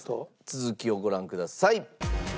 続きをご覧ください。